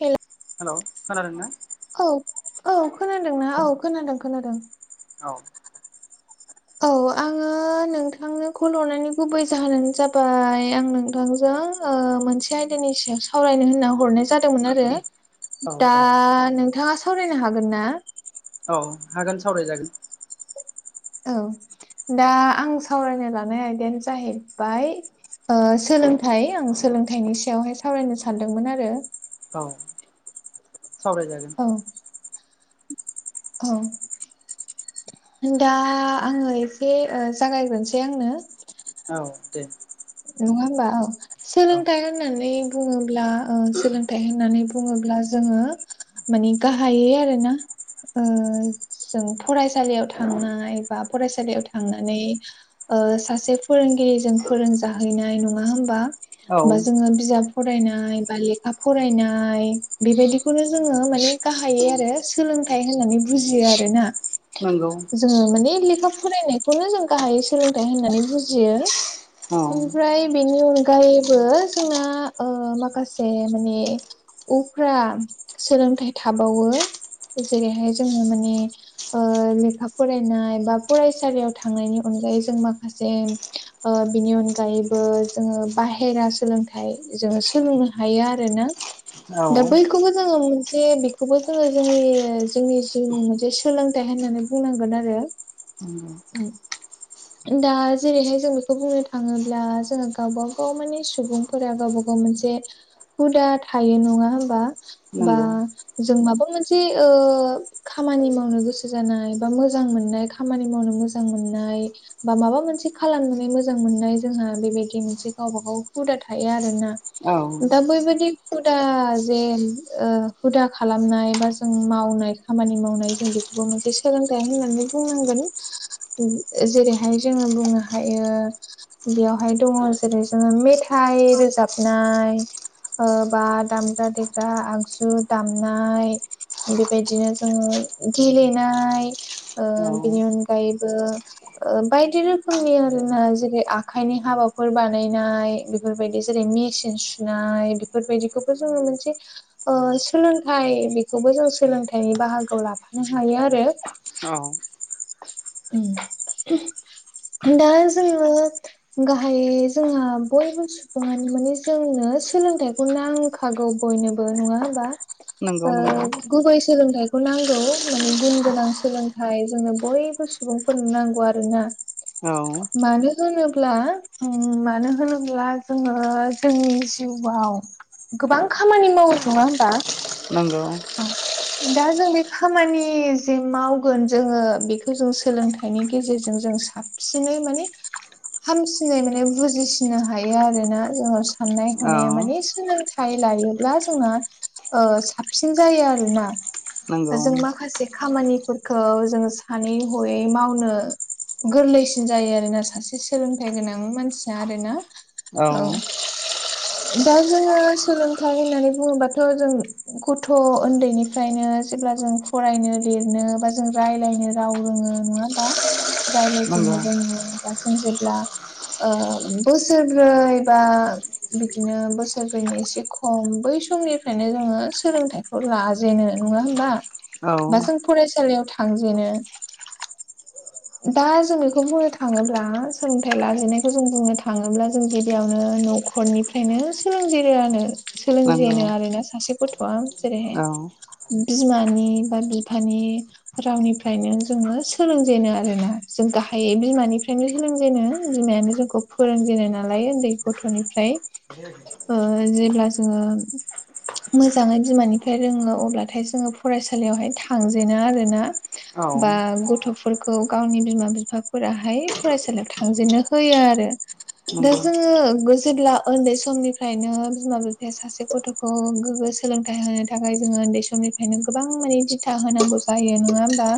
हेल' hello खोनादोंना औ औ खोनादों ना औ खोनादों खोनादों औ औ आङो नोंथांनो कल हरनायनि गुबै जाहोनानो जाबाय आं नोंथांजों मोनसे आयदानि सायाव सावरायनो होनना हरनाय जादोंमोन आरो औ दा औ नोंथाङा सावरायनो हागोन ना औ हागोन सावरायजागोन औ दा आं सावरायनो लानाय आयदायानो जाहैबाय ओ सोलोंथाइ आं सोलोंथाइनि सायावहाय सावरायनो सानदोंमोन आरो औ सावरायजागोन औ औ दा आङो एसे जागायग्रोनसै आंनो औ दे नङा होमबा औ औ सोलोंथाइ होननानै बुङोब्ला सोलोंथाइ होननानै बुङोब्ला जोङो माने गाहायै आरोना ओ जों फरायसालियाव थांनाय बा फरायसालियाव थांनानै ओ सासे फोरोंगिरिजों फोरोंजा जाहैनाय नङा होमबा औ बा जोङो बिजाब फरायनाय बा लेखा फरायनाय बेबायदिखौनो जोङो माने गाहायै आरो सोलोंथाइ होननानै बुजियो आरोना नंगौ जोङो माने लेखा फरायनायखौनो जों गाहायै सोलोंथाइ होननानै बुजियो औ ओमफ्राय बेनि अनगायैबो जोंना ओ माखासे माने उफ्रा सोलोंथाइ थाबावो जेरैहाय जोङो माने लेखा फरायनाय बा फरायसालियाव थांनायनि अनगायै जों माखासे आ बिनि अन गायैबो जोङो बाहेरा सोलोंथाइ जोङो सोलोंनो हायो आरोना औ दा बैखौबो जोङो मोनसे बेखौबो जोङो जोंनि जोंनि जिउनि मोनसे सोलोंथाइ होननानै बुंनांगोन आरो दा जेरैहाय जों बेखौ बुंनो थाङोब्ला जोङो गावब गाव माने सुबुंफोरा गावबा गाव मोनसे हुदा थायो नङा होमबा बा नंगौ जों माबा मोनसे खामानि मावनो गोसो जानाय बा मोजां मोननाय खामानि मावनो मोजां मोननाय बा माबा मोनसे खालामनानै मोजां मोननाय जोंहा बेबायदि मोनसे गावबा गाव हुदा थायो आरोना औ दा बैबायदि हुदा जे हुदा खालामनाय बा जों मावनाय खामानि मावनाय जों बेखौबो मोनसे सोलोंथाइ होननानै बुंनांगोन जेरैहाय जोङो बुंनो हायो बेयावहाय दङ जेरै जोङो मेथाइ रोजाबनाय बा दामग्रा देग्रा आगजु दामनाय बेबायदिनो जोङो गेलेनाय ओ औ बिनि अनगायैबो बायदि रोखोमनि आरोना जे आखाइनि हाबाफोर बानायनाय बेफोरबायदि जेरै मेचिन सुनाय बेफोरबायदिखौबो जोङो मोनसे सोलोंथाइ बेखौबो जों सोलोंथाइनि बाहागोआव लाबोनो हायो आरो औ दा जोङो गाहाय जोंहा बयबो माने जोंनो सोलोंथाइखौ नांखागौ बयनोबो नङा होमबा नंगौ ओ नंगौ गुबै सोलोंथाइ खौ नांगौ माने गुन गोनां सोलोंथाइ जोंनो बयबो सुबुंफोरनो नांगौ आरोना औ मानो होनोब्ला मानो होनोब्ला जोङो जोंनि जिउआव गोबां खामानि मावनाय नङा होमबा नांगौ औ दा जों बे खामानि जे मावगोन जोङो बेखौ जों सोलोंथाइनि गेजेरजों जों साबसिन साबसिनै माने हामसिनै माने बुजिसिनो हायो आरोना जों साननाय औ हनाया माने सोलोंथाइ लायोब्ला जोंना साबसिन जायो आरोना नंगौ जों माखासे खामानि खौ जों सानै हयै मावनो गोरलैसिन जायो आरोना सासे सोलोंथाइ गोनां मानसिया आरोना औ दा जोङो सोलोंथाइ होननानै बुङोबाथ' जों गथ' उन्दैनिफ्रायनो जेब्ला जों फरायनो लिरनो बा जों राय्लायनो राव रोङो नङा बा नंगौ राय्लायजेननो रोङो बा जों जेब्ला बोसोरब्रै बा बिदिनो बोसोरब्रैनि एसे खम खम बै समनिफ्रायनो जोङो सोलोंथाइखौ लाजेनो नङा होमबा बा औ जों फरायसालियाव थांजेनो दा जों बेखौ बुंनो थाङोब्ला सोलोंथाइ लाजेननायखौ जों बुंनो थाङोब्ला जों गिबियावनो न'खर खरनिफ्रायनो सोलोंजेनो आरो नंगौ सोलोंजेनो आरोना सासे गथ'आ जेरैहाय औ नंगौ औ बिमानि बा बिफानि रावनिफ्रायनो जोङो सोलोंजेनो आरो आरोना जों गाहायै बिमानिफ्रायनो सोलोंजेनो बिमायानो जोंखौ फोरोंजेनो नालाय उन्दै गथ'निफ्राय जेब्ला जोङो मोजाङै बिमानिफ्राय रोङो अब्लाथाय जोङो फरायसालियावहाय थांजेनो आरोना औ बा गथ'फोर खौ गावनि बिमा बिफाफोराहाय फरायसालियाव थांजेननो होयो आरो दा नंगौ जोङो जेब्ला उन्दै समनिफ्रायनो बिमा बिफाया सासे गथ' गोग्गो सोलोंथाइ होनो थाखाय जोङो उन्दै समनिफ्रायनो गोबां माने दिथा होनांगौ जायो नङा होमबा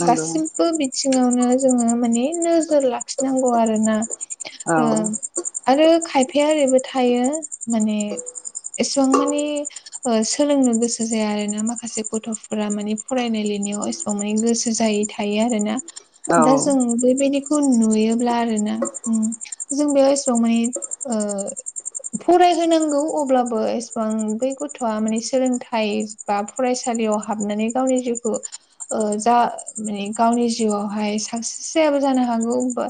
नंगौ गासि बो बिथिङावनो जोङो माने नोजोर लाखिनांगौ आरोना आरो खायफाया ओरैबो थायो माने एसेबां मानि सोलोंनो गोसो जाया आरोना माखासे गथ'फोरा माने फरायनाय लिरनायाव एसेबां माने गोसो जायै था थायो आरोना दा जों बेबायदिखौ नुयोब्ला आरो ना जों बेयाव एसेबां माने ओ फरायहोनांगौ अब्लाबो एसेबां बै गथ'आ माने सोलोंथाइ बा फरायसालियाव हाबनानै गावनि जिउखौ जा माने गावनि जिउआवहाय साक्सेस जायाबो जानो हागौबा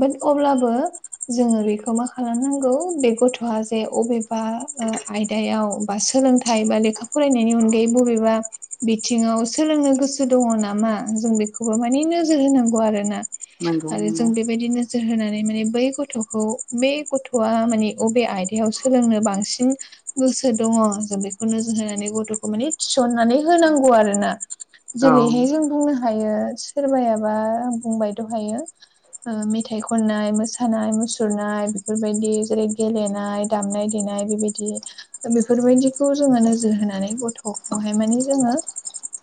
बाट अब्लाबो जोङो बेखौ मा खालामनांगौ बे गथ'आ जे अबे बा आयदायाव बा सोलोंथाइ बा लेखा फरायनायनि अनगायै बबेबा बिथिङाव सोलोंनो गोसो दङ नामा जों बेखौबो माने नोजोर होनांगौ आरोना आरो जों बेबायदिनो नोजोर होनानै माने बै गथ'खौ बे गथ'आ माने बबे आयदायाव सोलोंनो बांसिन गोसो दङ जों बेखौ नोजोर होनानै गथ'खौ माने थिसननानै होनांगौ आरो ना औ जेरैहाय जों बुंनो हायो सोरबायाबा बुंबाय द' हायो मेथाइ खननाय मोसानाय मुसुरनाय बेफोरबायदि जेरै गेलेनाय दामनाय देनाय बेबायदि बेफोरबायदिखौ जोङो नोजोर होनानै गथ'खौहाय माने जोङो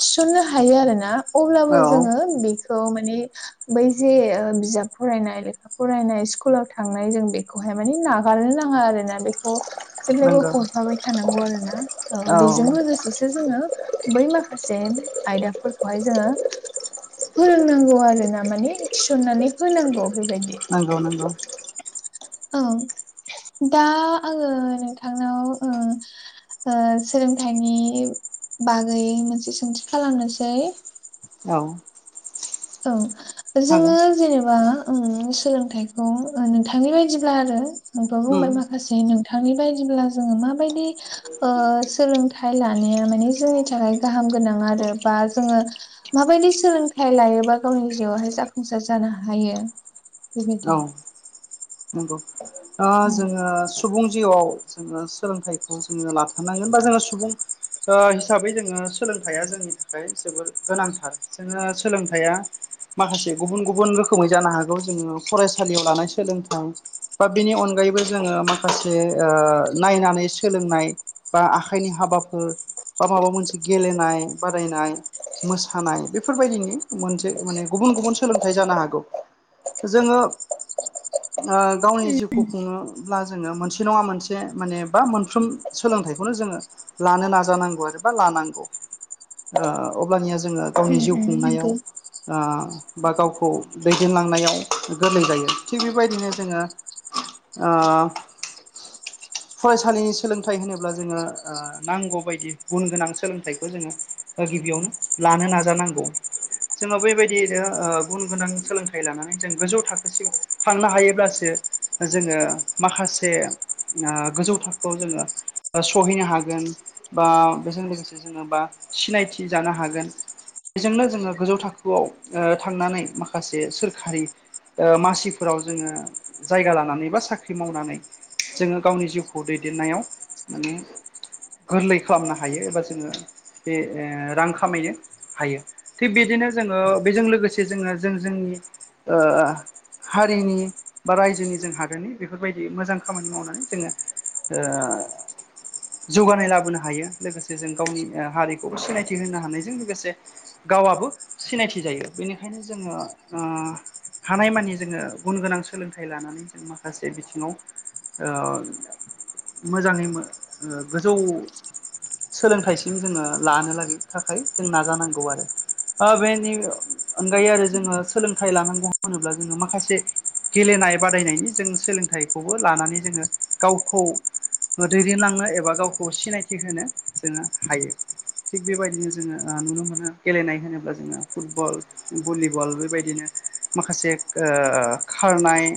थिसननो हायो आरो ना अब्लाबो औ जोङो बेखौ माने बै जे बिजाब फरायनाय लेखा फरायनाय स्कुलाव थांनाय जों बेखौहाय माने नागारनो नाङा आरो ना बेखौ जेब्लायबो नंगौ हरफाबाय थानांगौ आरो ना औ बेजों लोगोसेसो जोङो बै माखसेम आयदाफोर खाय जोङो फोरोंनांगौ आरो ना माने थिसननानै होनांगौ बेबायदि नंगौ नंगौ औ दा आङो नोंथांनाव सोलोंथाइनि बागै मोनसे सोंथि खालामनोसै औ औ हागोन जोङो जेनेबा सोलोंथाइखौ नोंथांनि बायदिब्ला आरो आोंथ' उम बुंबाय माखासे नोंथ थांनि बायदिब्ला जोङो माबायदि सोलोंथाइ लानाया माने जोंनि थाखाय गाहाम गोनां आरो बा जोङो माबायदि सोलोंथाइ लायोबा गावनि जिउआवहाय जाफुंसार जानो हायो बेबायदि औ नंगौ जोङो सुबुं जिउआव जोङो सोलोंथाइखौ जोङो लाथारनांगोन बा जोङो सुबुं हिसाबै जोङो सोलोंथाइया जोङनि थाखाय जोबोर गोनांथार जोङो सोलोंथाइया माखासे गुबुन गुबुन रोखोमै जानो हागौ जोङो फरायसालियाव लानाय सोलोंथाइ बा बिनि अनगायैबो जोङो माखासे नायनानै सोलोंनाय बा आखाइनि हाबाफोर बा माबा मोनसे गेलेनाय बादायनाय मोसानाय बेफोरबायदिनि मोनसे माने गुबुन गुबुन सोलोंथाइ जानो हागौ जोङो गावनि जिउखौ खुङोब्ला जोङो मोनसे नङा मोनसे माने बा मोनफ्रोम सोलोंथाइखौनो जोङो लानो नाजानांगौ आरोबा लानांगौ अब्लानिया जोङो गावनि जिउखौ खुंनायाव बा गावखौ दैदेनलांनायाव गोरलै जायो थिग बेबायदिनो जोङो ओ फरायसालिनि सोलोंथाइ होनोब्ला जोङो नांगौ बायदि गुन गोनां सोलोंथाइखौ जोङो गिबियावनो लानो नाजानांगौ जोङो बेबायदियैनो गुन गोनां सोलोंथाइ लानानै जों गोजौ थाखोसिम थांनो हायोब्लासो जोङो माखासे गोजौ थाखोआव जोङो सहैनो हागोन बा बेजों लोगोसे जोङ बा सिनायथि जानो हागोन बेजोंनो जोङो गोजौ थाखोआव थांनानै माखासे सोरखारि मासिफोराव जोङो जायगा ल नानै बा साख्रि मावनानै जोङो गावनि जिउखौ दैदेननायाव माने गोरलै खालामनो हायो एबा जोङो बे रां खामायो हायो थिग बिदिनो जोङो बेजों लोगोसे जोङो जों जोंनि हारिनि बा रायजोनि जों हादोरनि बेफोरबायदि मोजां खामानि मावनानै जोङो जौगानाय लाबोनो हायो लोगोसे जों गावनि हारिखौबो सिनायथि होनो हानायजों लोगोसे गावआबो सिनायथि जायो बेनिखायनो जोङो हानाय मानि जोङो गुन गोनां सोलोंथाइ लानानै माखासे बिथिङाव ओ मोजाङै ओ गोजौ सोलोंथाइसिम जोङो लानो थाखाय जों नाजानांगौ आरो ओ बेनि अनगायै आरो जोङो सोलोंथाइ लानांगौ होनोब्ला जोङो माखासे गेलेनाय बादायनायनि जों सोलोंथाइखौबो लानानै जोङो गावखौ दैदेनलांनो एबा गावखौ सिनायथि होनो जोङो हायो थिग बेबायदिनो जोङो नुनो मोनो गेलेनाय होनोब्ला जोङो फुटबल भलिबल बेबायदिनो माखासे ओ खारनाय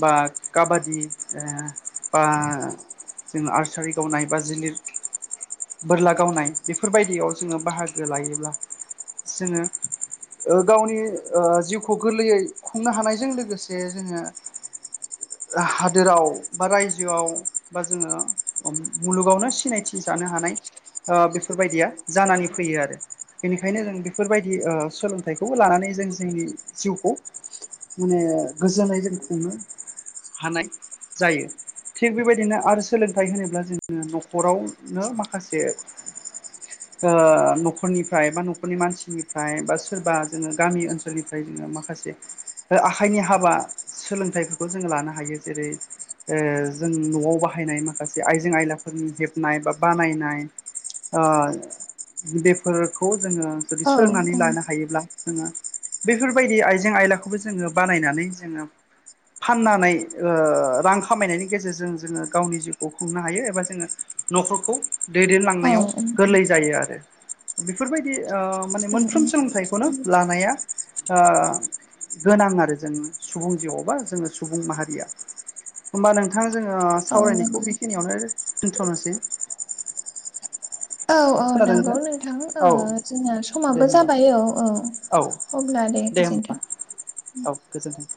बा काबादि ओ बा जों आर्सारि गावनाय बा जोनिर बोरला गावनाय बेफोरबायदियाव जोङो बाहागो लायोब्ला जोङो ओ गावनि ओ जिउखौ गोरलैयै खुंनो हानायजों लोगोसे जोङो हादोराव बा रायजोआव बा जोङो मुलुगावनो सिनायथि जानो हानाय ओ बेफोरबायदिया जानानै फैयो आरो बेनिखायनो जों बेफोरबायदि ओ सोलोंथाइखौ लानानै जों जोंनि जिउखौ माने गोजोनै जों खुनो हानाय जायो थिग बेबायदिनो आरो सोलोंथाइ होनोब्ला जोङो न'खरावनो माखासे [inaudible] ओ न'खरनिफ्राय बा न'खरनि मानसिनिफ्राय बा सोरबा जोङो गामि ओनसोलनिफ्राय जोङो माखासे आखाइनि हाबा सोलोंथाइफोरखौ जोङो लानो हायो जेरै ओ जों न'आव बाहायनाय माखासे आइजें आयलाफोरनि हेबनाय बा बानायनाय ओ बेफोरखौ जोङो जुदि उम सोलोंनानै लानो हायोब्ला जोङो बेफोरबायदि आइजें आयलाखौबो जोङो बानायनानै जोङो फाननानै ओ रां खामायनायनि गेजेरजों जोङो गावनि जिउखौ खुंनो हायो एबा जोङो न'खरखौ दैदेनलांनायाव उम गोरलै जायो आरो बेफोरबायदि ओ माने मोनफ्रोम सोलोंथाइखौनो लानाया ओ गोनां आरो जोङो सुबुं जिवाव बा जोङो सुबुं माहारिया होमबा नोंथां जोङो उम सावरायनायखौ नोंगौ बेखिनियावनो दोनथ'नोसै। औ औ औ नंगौ नोंथां ओ औ जोंना दे समाबो होमबा जाबाय औ औ औ अब्ला दे गोजोनथों। औ गोजोन्थों